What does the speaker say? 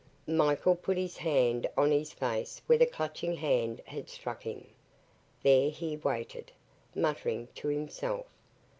Michael put his hand on his face where the Clutching Hand had struck him. There he waited, muttering to himself.